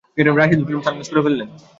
Rashedul Karim sunglass খুলে ফেললেন।